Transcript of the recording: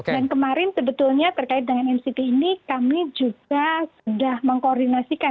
dan kemarin sebetulnya terkait dengan mct ini kami juga sudah mengkoordinasikan